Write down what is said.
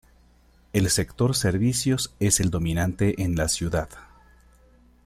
El sector servicios es el dominante en la ciudad.